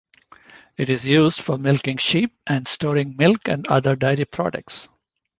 It is used for milking sheep and storing milk and other dairy products.